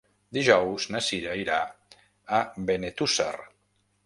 Dijous na Cira irà a Benetússer.